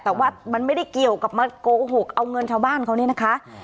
แต่ว่ามันไม่ได้เกี่ยวกับมาโกหกเอาเงินชาวบ้านเขาเนี่ยนะคะ